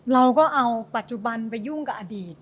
เราก็เอาปัจจุบันไปยุ่งกับอดีต